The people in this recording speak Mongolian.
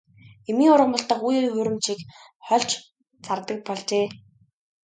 Эмийн ургамалдаа үе үе хуурамчийг хольж зардаг болжээ.